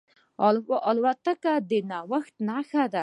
الوتکه د نوښت نښه ده.